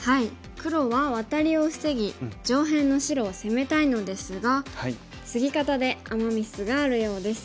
黒はワタリを防ぎ上辺の白を攻めたいのですがツギ方でアマ・ミスがあるようです。